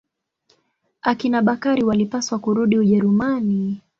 Akina Bakari walipaswa kurudi Ujerumani.